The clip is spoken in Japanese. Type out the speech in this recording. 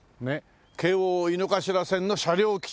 京王井の頭線の車両基地という事で。